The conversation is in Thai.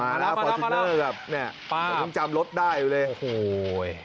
มาแล้วฟอร์ชิกเนอร์ครับจำลดได้เลย